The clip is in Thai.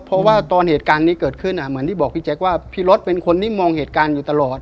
เพราะว่าตอนเหตุการณ์นี้เกิดขึ้นเหมือนที่บอกพี่แจ๊คว่าพี่รถเป็นคนที่มองเหตุการณ์อยู่ตลอด